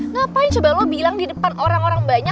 ngapain coba lo bilang di depan orang orang banyak